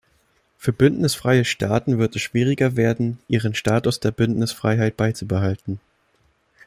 Für bündnisfreie Staaten wird es schwieriger werden, ihren Status der Bündnisfreiheit beizubehalten.